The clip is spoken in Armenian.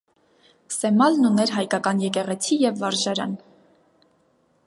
Սեմալն ուներ հայկական եկեղեցի և վարժարան։